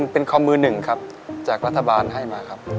เป็นคอมมือหนึ่งครับจากรัฐบาลให้มาครับ